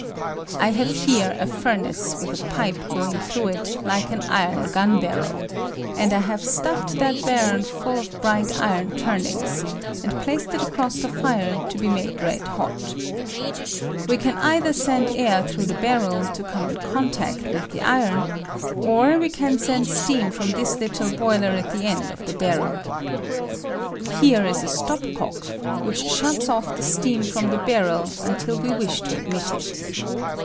II have here a furnace with a pipe going through it like an iron gun barrel, and I have stuffed that barrel full of bright iron turnings, Emd placed it across the fire to be made red hot. We can either send air through the barrel to Oome in contact with the iron, or we can send steam from this little boiler at the end of the barrel. Here ia a atop cock which shuts off the ^^L steal ^B Thei steam from the barrel until we wish to admit it.